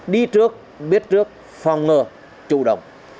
đi trước biết trước phong ngơ chủ động